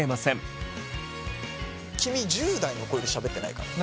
君１０代の子よりしゃべってないからね。